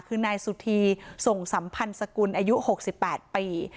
คือนายสุธีส่งสัมพันธ์สกุลอายุ๖๘ปี